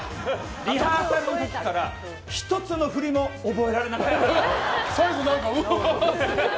リハーサルの時から１つの振りも覚えられなくて。